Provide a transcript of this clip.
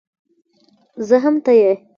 زه هم ته يې